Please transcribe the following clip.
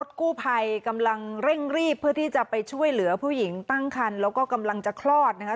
กู้ภัยกำลังเร่งรีบเพื่อที่จะไปช่วยเหลือผู้หญิงตั้งคันแล้วก็กำลังจะคลอดนะคะ